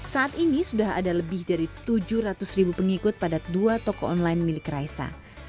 saat ini sudah ada lebih dari tujuh ratus ribu pengikut pada dua toko online milik raisa